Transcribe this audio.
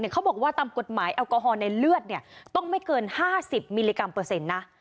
เขาบอกว่าตามกฎหมายแอลกอฮอลในเลือดต้องไม่เกิน๕๐มิลลิกรัมเปอร์เซ็นต์นะ